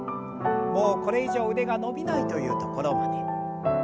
もうこれ以上腕が伸びないというところまで。